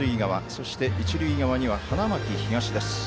そして一塁側には花巻東です。